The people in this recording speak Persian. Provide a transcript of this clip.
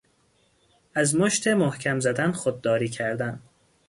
از مشت محکم زدن خودداری کردن